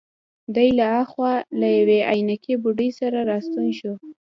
دی له هاخوا له یوې عینکې بوډۍ سره راستون شو.